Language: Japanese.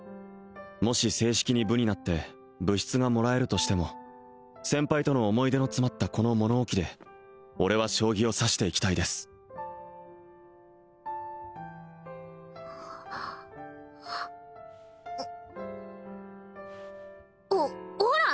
もし正式に部になって部室がもらえるとしても先輩との思い出の詰まったこの物置で俺は将棋を指していきたいですほほら！